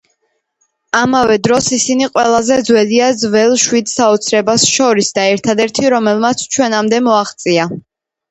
ამავე დროს, ისინი ყველაზე ძველია ძველ შვიდ საოცრებას შორის და ერთადერთი, რომელმაც ჩვენამდე მოაღწია.